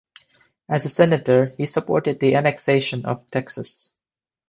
As a Senator, he supported the annexation of Texas.